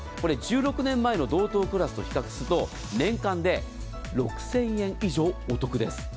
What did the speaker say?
１６年前の同等クラスと比較すると年間で６０００円以上お得です。